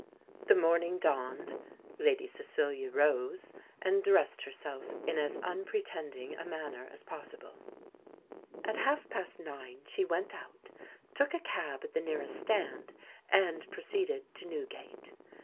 The morning dawned; Lady Cecilia rose, and dressed herself in as unpretending a manner as possible. At half past nine she went out, took a cab at the nearest stand, and proceeded to Newgate.